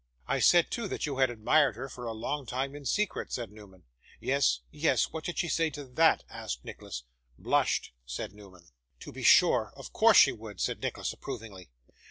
'I said too, that you had admired her for a long time in secret,' said Newman. 'Yes, yes. What did she say to that?' asked Nicholas. 'Blushed,' said Newman. 'To be sure. Of course she would,' said Nicholas approvingly.